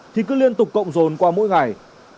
thì cứ liên tục cộng rồn qua mỗi ngày